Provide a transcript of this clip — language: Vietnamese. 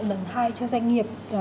lần hai cho doanh nghiệp